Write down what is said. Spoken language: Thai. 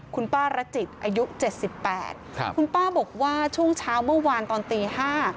คุณป้ารจิตอายุเจ็ดสิบแปดครับคุณป้าบอกว่าช่วงเช้าเมื่อวานตอนตีห้า